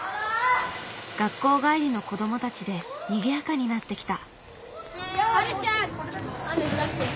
学校帰りの子どもたちでにぎやかになってきた。